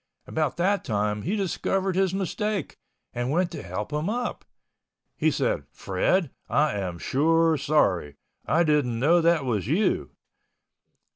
About that time he discovered his mistake and went to help him up. He said, "Fred, I am sure sorry. I didn't know that was you."